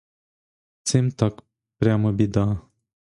Цим так прямо біда.